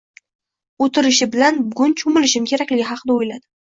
O’tirishi bilan, bugun cho’milishim kerakligi haqida o’yladim.